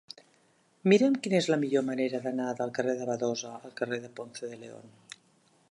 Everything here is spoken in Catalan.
Mira'm quina és la millor manera d'anar del carrer de Badosa al carrer de Ponce de León.